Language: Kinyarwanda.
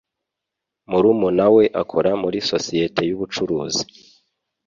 Murumuna we akora muri societe yubucuruzi.